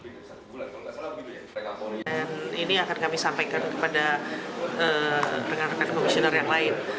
ini akan kami sampaikan kepada rekan rekan komisioner yang lain